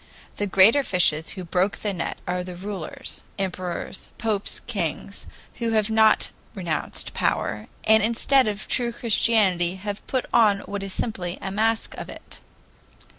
The greater fishes who broke the net are the rulers, emperors, popes, kings, who have not renounced power, and instead of true Christianity have put on what is simply a mask of it."